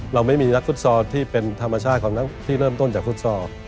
เราไม่มีนักฟุตซอลที่เป็นธรรมชาติของนักที่เริ่มต้นจากฟุตซอล